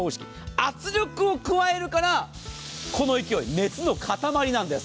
圧力を加えるからこの勢い、熱の塊なんです。